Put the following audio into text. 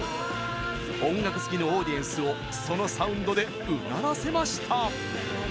音楽好きのオーディエンスをそのサウンドでうならせました。